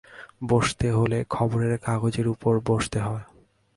বসতে হলে খবরের কাগজের ওপর বসতে হয়।